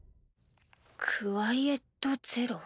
「クワイエット・ゼロ」？